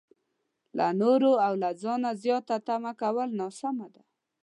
له نورو او له ځانه زياته تمه کول ناسمه ده.